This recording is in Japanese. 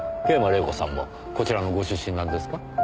桂馬麗子さんもこちらのご出身なんですか？